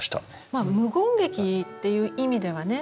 まあ無言劇っていう意味ではね